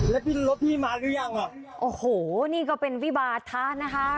แล้วพี่รถพี่มาหรือยังอ่ะโอ้โหนี่ก็เป็นวิบาธะนะคะ